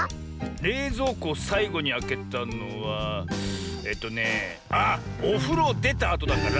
れいぞうこをさいごにあけたのはえっとねあっおふろをでたあとだから。